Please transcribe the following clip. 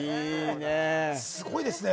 すごいですね。